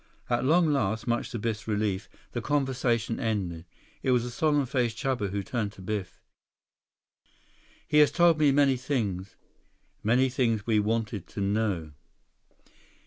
At long last, much to Biff's relief, the conversation ended. It was a solemn faced Chuba who turned to Biff. "He has told me many things. Many things we wanted to know."